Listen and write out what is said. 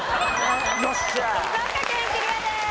静岡県クリアです。